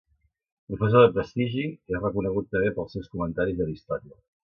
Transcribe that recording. Professor de prestigi, és reconegut també pels seus comentaris a Aristòtil.